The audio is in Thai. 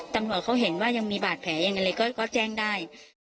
ตำรวจเขาเห็นว่ายังมีบาดแผลอย่างเงี้ยเลยก็ก็แจ้งได้